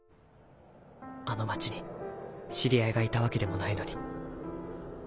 あの町に知り合いがいたわけでもないのに。